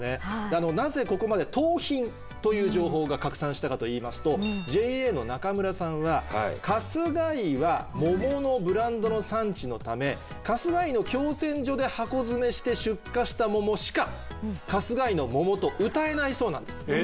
したかといいますとＪＡの中村さんは春日居は桃のブランドの産地のため春日居の共選所で箱詰めして出荷した桃しか春日居の桃とうたえないそうなんです。